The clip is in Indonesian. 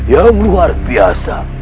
dan suhmat yang luar biasa